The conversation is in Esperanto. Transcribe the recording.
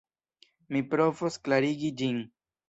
Mi provos klarigi ĝin.